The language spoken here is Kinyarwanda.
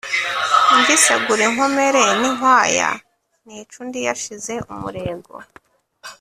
ngisegura inkomere n'inkwaya, nica undi yashize umurego